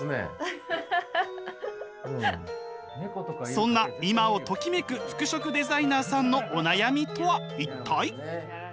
そんな今をときめく服飾デザイナーさんのお悩みとは一体？